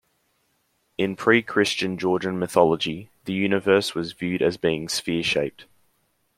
In pre-Christian Georgian mythology, the universe was viewed as being sphere-shaped.